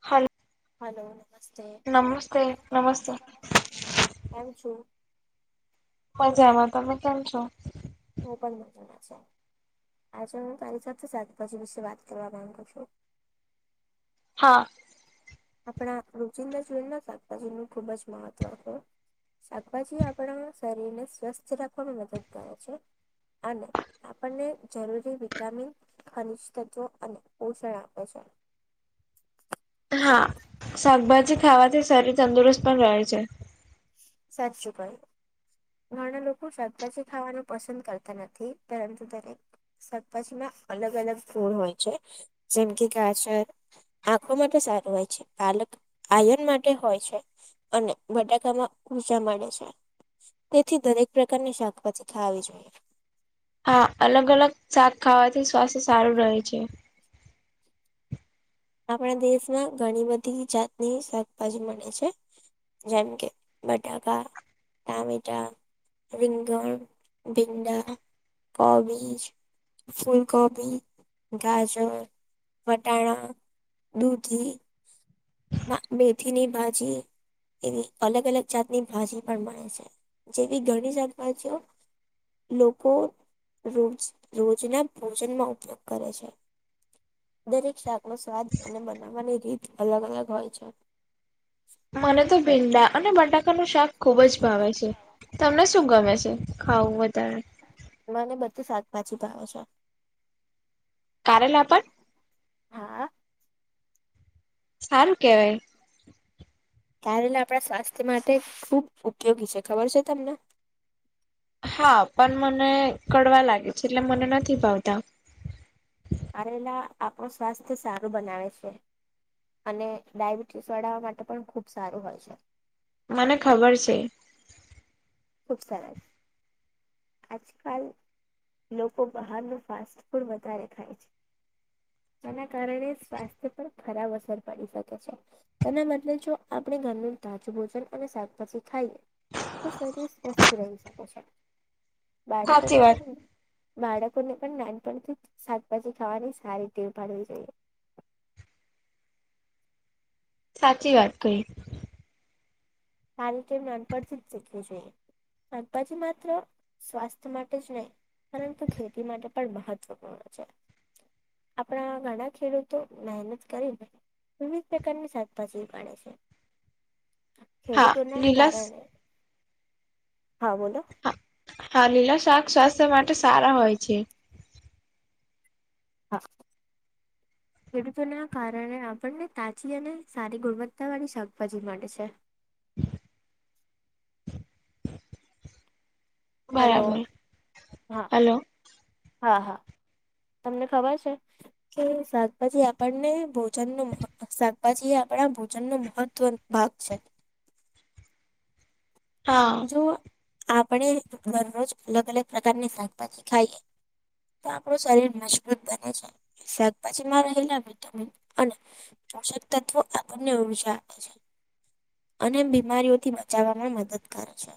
હાલ હાલો નમસ્તે નમસ્તે કેમ છો મજામાં. તમે કેમ છો? હું પણ મજામાં છું. આજે હું તારી સાથે શાકભાજી વિશે વાત કરવા માંગુ છું. હા આપણા રોજિંદા જીવનમાં શાકભાજીનું ખુબ જ મહત્વ હોય. શાકભાજી આપણા શરીરને સ્વસ્થ રાખવામાં મદદ કરે છે. અને આપણને જરૂરી વિટામિન ખનિજ તત્વ, અને પોષણ આપે છે. હા શાકભાજી ખાવાથી શરીર તંદુરસ્ત પણ રહે છે. સાચું કહ્યું. ઘણા લોકો શાકભાજી ખાવાનું પસંદ કરતા નથી. પરંતુ દરેક શાકભાજીમાં અલગ અલગ ગુણ હોય છે. જેમ કે ગાજર આંખો માટે સારું હોય છે, પાલક આયન માટે હોય છે. અને બટાકામાં ઉજા મળે છે. તેથી દરેક પ્રકારની શાકભાજી ખાવી જોઈએ. હા અલગ અલગ શાક ખાવાથી સ્વાસ્થ્ય સારું રહે છે. આપણા દેશમાં ઘણી બધી જાતની શાકભાજી મળે છે. જેમ કે બટાકા, ટામેટા. રીંગણ, ભીંડા, કોબીજ. ફૂલગોબી, ગાજર, વટાણા. દૂધી, ના મેથીની ભાજી. એવી અલગ અલગ જાતની ભાજી પણ મળે છે. જેવી ઘણી શાકભાજીઓ લોકો રોજ રોજના ભોજનમાં ઉપયોગ કરે છે. દરેક શાકનો સ્વાદ અને બનાવવાની રીત અલગ અલગ હોય છે. મને તો ભીંડા અને બટાકાનું શાક ખુબ જ ભાવે છે. તમને શું ગમે છે ખાવું વધારે? મને બધું શાકભાજી ભાવે છે. કારેલા પણ? હા સારું કેવાય. કારેલા આપણા સ્વાસ્થ્ય માટે ખુબ ઉપયોગી છે. ખબર છે તમને? હા પણ મને કડવા લાગે છે. એટલે મને નથી ભાવતા. કારેલા આપણું સ્વાસ્થ્ય સારું બનાવે છે. અને ડયાબિટીસ વાળા માટે પણ ખુબ સારું હોય છે. મને ખબર છે. ખુબ સરસ. આજકાલ લોકો બહારનું ફાસ્ટ ફૂડ વધારે ખાય છે. જેના કારણે સ્વાસ્થ્ય પર ખરાબ અસર પડી શકે છે. તેના બદલે જો આપણે ઘરનું તાજું ભોજન અને શાકભાજી ખાઈએ. તો શરીર સ્વસ્થ રહી શકે છે. સાચી બાળકોને વાત પણ બાળકોને પણ નાનપણથી જ શાકભાજી ખાવાની સારી ટેવ પાડવી જોઈએ. સાચી વાત કહી. સારી ટેવ નાનપણથી જ શીખવી જોઈએ. શાકબાજી માત્ર સ્વાસ્થ્ય માટે જ નહી. પરંતુ ખેતી માટે પણ મહત્વપૂર્ણ છે. આપણા ઘણા ખેડૂતો મહેનત કરીને વિવિધ પ્રકારની શાકભાજી ઉગાડે છે. હા ખેડૂતોના લીલા શા કારણે હા બોલો. હા હા લીલા શાક સ્વાસ્થ્ય માટે સારા હોય છે. હા ખેડૂતોના કારણે આપણને તાજગી અને સારી ગુણવત્તા વાળી શાકભાજી છે. બરાબર હલો, હા, હલો હા, હા, તમને ખબર છે. કે શાકભાજી આપણને ભોજન નુ શાકભાજી આપણા ભોજન નું મહત્વ ભાગ છે. હા. તો આપણે દરરોજ અલગ અલગ પ્રકારની શાકભાજી ખાઈએ. તો આપણું શરીર મજબૂત બને છે, શાકભાજીમાં રહેલા વિટામિન અને પોષક તત્વ આપણને ઊજા છે, આપે છે. અને બીમારીઓથી બચાવવાવામાં મદદ કરે છે.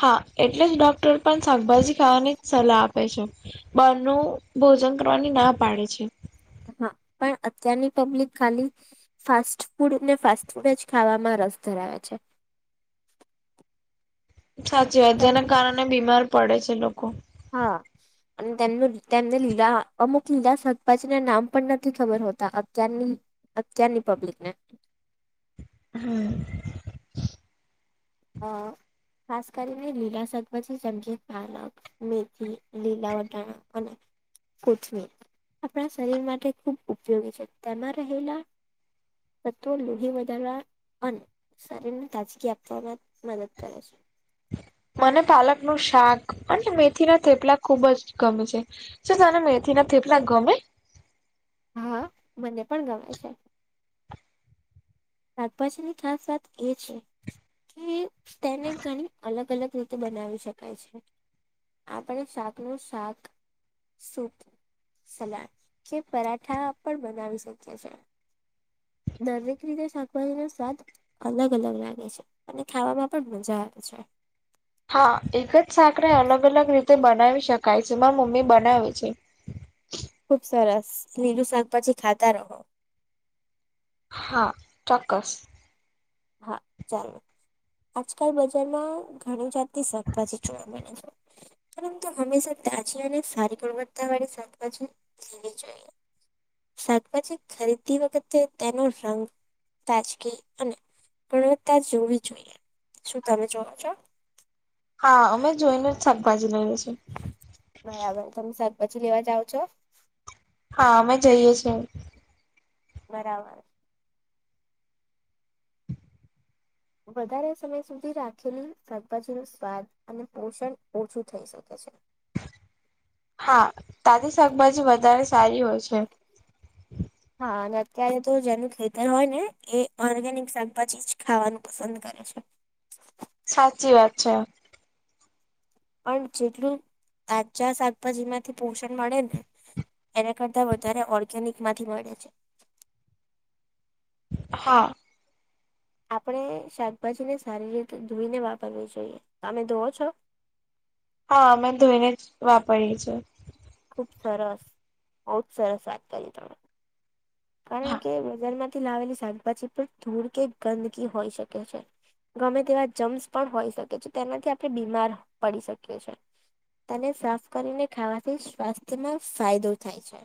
હા, એટલે જ ડોક્ટર પણ શાકભાજી ખાવાની સલાદ. બાર ભોજન કરવાની ના પાડે છે. હા, પણ અત્યારની પબ્લિક ખાલી. ફાસ્ટ ફૂડ ને, ફાસ્ટ ફૂડ જ ખાવામાં રસ ધરાવે છે. સાચે તેમ જેના કારણે બીમાર પડે છે લોકો. હા. અને તેમનું તેમને લીલા અમુક લીલા શાકભાજી ના નામ પણ નથી ખબર હોતા, અત્યારની અત્યારની પબ્લિક ને. હમ. અ ખાસ કરીને લીલા શાકભાજી, જેમ કે પાલક. મેથી, લીલા વટાણા અને. કોથમીર આપણા શરીર માટે ખૂબ ઉપયોગી છે. તેમાં રહેલા તત્વો લોહી વધારવા અને શરીરને તાજગી આપવામાં મદદ કરે છે. મને પાલકનું શાક અને મેથી ના થેપલા ખુબ જ ગમે છે. શું તને મેથી ના થેપલા ગમે? હા, મને પણ ગમે છે. શાકભાજીની ખાસ વાત એ છે. કે તેને ઘણી અલગ-અલગ રીતે બનાવી શકાય છે. આપણે શાક નું શાક. સૂપ સલાડ કે પરાઠા પણ બનાવી શકીએ છે. દરેક રીતે શાકભાજી ના સ્વાદ. અલગ અલગ લાગે છે, અને ખાવામાં પણ મજા આવે છે. હા, એક જ શાકને અલગ અલગ રીતે બનાવી શકાય છે. મારા મમ્મી બનાવે છે. ખુબ સરસ! લીલું શાકભાજી ખાતા રહો. હા, ચોક્કસ. હા, ચાલો. આજકાલ બજારમાં ઘણી જાતની શાકભાજી જોવા મળે છે. પરંતુ હંમેશા તાજી અને સારી ગુણવત્તા વાળી શાકભાજી લેવી જોઈએ. શાકભાજી ખરીદતી વખતે તેનો રંગ, તાજગી અને ગુણવત્તા જોવી જોઈએ. શું તમે જોવ છો? હા, અમે જોઈને જ શાકભાજી લઈએ છીએ. બરાબર, તમે શાકભાજી લેવા જાવ છો? હા, અમે જઈએ છીએ. બરાબર. વધારે સમય સુધી રાખેલી શાકભાજી નું સ્વાદ અને પોષણ ઓછું થઈ શકે છે. હા, તાજી શાકભાજી વધારે સારી હોય છે. હા, અને અત્યારે તો જેનું ખેતર હોય ને, એ ઓર્ગેનિક શાકભાજી જ ખાવાનું પસંદ કરે છે. સાચી વાત છે. પણ જેટલું તાજા શાકભાજી માંથી પોષણ મળે ને. એના કરતા વધારે ઓર્ગેનિક માંથી મળે છે. હા. આપણે શાકભાજીને સારી રીતે ધોઈને વાપરવી જોઈએ તમે ધોઓ છો. હા અમે ધોઈને જ વાપરીએ છીએ. ખુબ સરસ બઉ જ સરસ વાત કરી તમે. કારણ હા કે બજારમાંથી લાવેલી શાકભાજી પર ધૂળ કે ગંદકી હોઈ શકે છે ગમે તેવા જમ્સ પણ હોઈ શકે છે તેનાથી આપણે બીમાર પડી શકીએ છીએ. તેને સાફ કરીને ખાવાથી સ્વાસ્થ્યમાં ફાયદો થાય છે.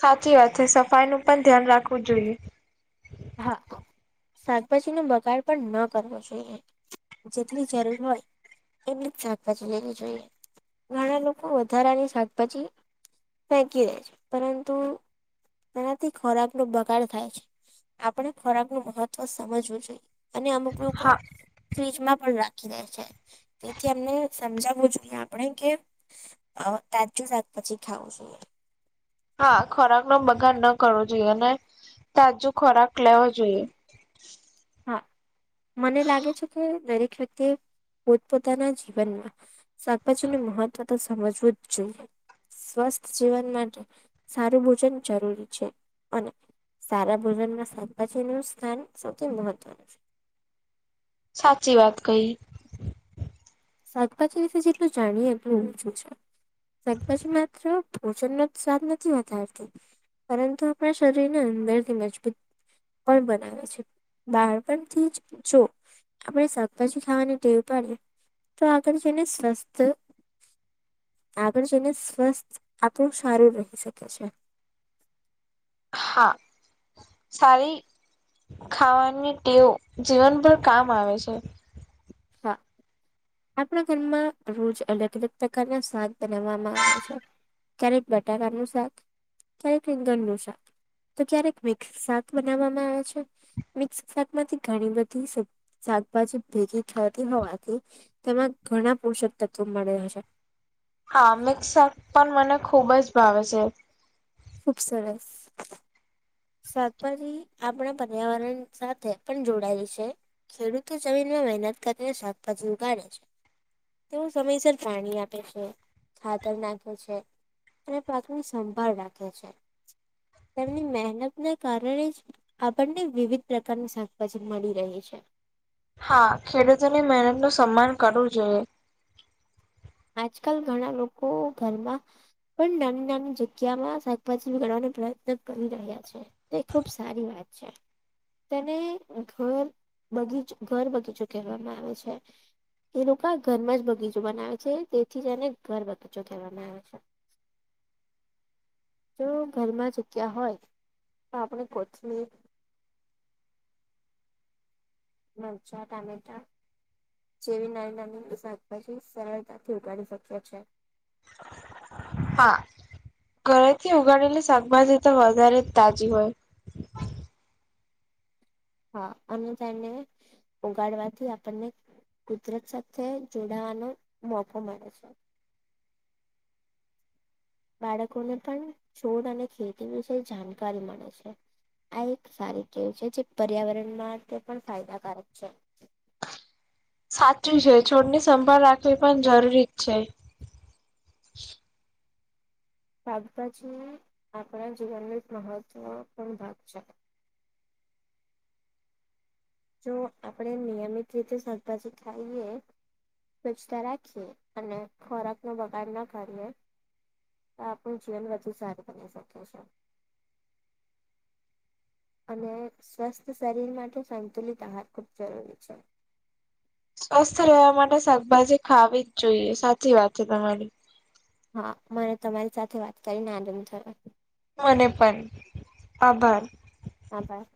સાચી વાત છે સફાઈ નું પણ ધ્યાન રાખવું જોઈએ. હા શાકભાજી નો બગાડ પણ ન કરવો જોઈએ. જેટલી જરૂર હોય એમની જ શાકભાજી લેવી જોઈએ. ઘણા લોકો વધારાની શાકભાજી. ફેકી દે છે પરંતુ તેનાથી ખોરાકનો બગાડ થાય છે. આપણે ખોરાક નું મહત્વ સમજવું જોઈએ અને અમુક લોકો. હા ફ્રીજમાં પણ રાખી દે છે તેથી અમને. સમજાવવું જોઈએ આપણે કે કાજું શાક પછી ખાવું જોઈએ. હા ખોરાક નો બગાડ ન કરવો જોઈએ અને તાજો ખોરાક લેવો જોઈએ. હા. મને લાગે છે કે દરેક વ્યક્તિ પોતપોતાના જીવનમાં શાકભાજી નું મહત્વ તો સમજવું જ જોઈએ સ્વસ્થ જીવન માટે. સારું ભોજન જરૂરી છે અને સારા ભોજનમાં પછી નું સ્થાન સૌથી મહત્વનું છે. સાચી વાત કહી. શાકભાજીી વિશે જેટલું જાણીએ એટલુંજું છે. શક પછી માત્ર ભોજન નો જ સ્વાદ નથી વધારતી પરંતુ આપણા શરીર ને અંદર થી મજબૂત પણ બનાવે છે બહાર પણ થી જ જો આપડણે શાકભાજી ખાવાની ટેવ પડે. તો આગળ જઈને સ્વસ્થ આગળ જઈને સ્વસ્થ આપણું સારું રહી શકે છે. હા. સારી ખાવાની તેઓ જીવનભ કામ આવે છે. હા. આપણા ઘરમાં રોજ અલગ અલગ પ્રકારના શાદ બનાવવામાં આવે છે. ક્યારેક બટાટ નું શાક ક્યારેક ફિંગન નું શાક તો ક્યારેક મિક્સક બનાવવામાં આવે છે. મિક્સ શક માંથી ઘણી બધી શાકભાજી ભેગ થતી હોવાથી તેમાં ઘણા પુરુષક તત્વો મળ્યાશે. હા મિક્ શક પણ મને ખુબ જ ભાવે છે. ખુબ સરસ સાતપજી આપણા પર્યાવરણ સાથે પણ જોડાયેલ છે. ખેડૂતો જમીનમાં મહેનત કરીને શાકભાજી ઉગાડે છે. તેઓ સમયસર પાણી આપે છે ખાતર નાખે છે. પાકની સંભાળ રાખે છે તેમની મહેનતને કારણે જ આપણને વિવિધ પ્રકારની શાકભાજી મળી રહેહી છે. હા ખેડૂતોની મહેનત નું સન્માન કરવું જોઈએ. આજકાલ ઘણા લોકો ઘરમાં પણ નાની નાની જગ્યા માં શાકભાજી બગાડવાનો પ્રયત્ન કરી રહ્યા છે. તે ખુબ સારી વાત છે. તેને ઘર બગીચ ઘર બગીચ કહેવામાં આવે છે. એ લોકો ઘરમાં જ બગીચો બનાવે છે તેથી એને ઘર બગીચો કહેવામાં આવે છે. જો ઘરમાં ચૂક્યા હોય તો આપણે કોથી મરચા ટમેટા. જેવી નાની નાની વસા પછી સરળતાથી ઉગાડી શક્યો છે. હા. ઘરે થી ઉગાડેલી શાકભાજી તો વધારે તાજી હોય. હા. હા અને તને. ઉગાડવાથી આપણને કુદરત સાથે જોડાવાનો મોકો મળે છે. બાળકોને પણ છોડ અને ખેતી વિશે જાણકારી મળે છે. આ એક સારી કેવું છે જે પર્યાવરણ માટે પણ ફાયદાકારક છે. સાચું છે છોડની સંભાળ રાખવી પણ જરૂરી જ છે. શાકભાજી આપણા જીવનનો એક મહત્વપૂર્ણ ભાગ છે. જો આપણેે નિયમિત રીતે શાકભાજી ખાઈએ સ્વચતા રાખીએ અને ખોરાકનો બગાડ ન કરીએ તો આપણું જીવન વધુ સારું બની શકે છે. અને સ્વસ્થ શરીર માટે સંતુલિત આહાર ખૂબ જરૂરી છે. સ્વસ્થ રેહેવા માટે શાકભાજી ખાવી જ જોઈએ સાચી વાત છે તમારી. હા, મને તમારી સાથે વાત કરીને આનંદ થયો. મને પણ, આભાર. આભાર.